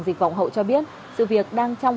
dịch vọng hậu cho biết sự việc đang trong